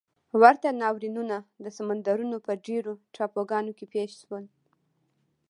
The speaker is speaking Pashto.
ورته ناورینونه د سمندرونو په ډېرو ټاپوګانو کې پېښ شول.